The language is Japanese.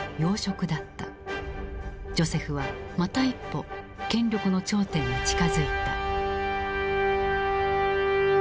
ジョセフはまた一歩権力の頂点に近づいた。